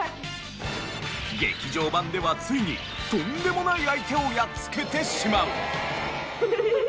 劇場版ではついにとんでもない相手をやっつけてしまう。